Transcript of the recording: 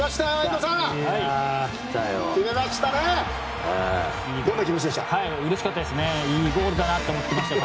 どんな気持ちでした？